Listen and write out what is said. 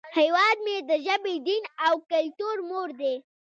هیواد مې د ژبې، دین، او کلتور مور دی